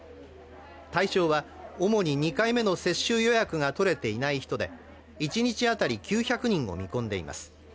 対象は主に２回目の接種予約が取れていない人で、一日当たり９００人を見込んでいます。